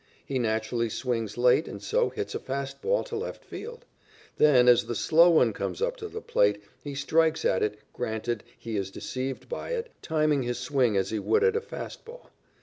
He naturally swings late and so hits a fast ball to left field. Then as the slow one comes up to the plate, he strikes at it, granted he is deceived by it, timing his swing as he would at a fast ball.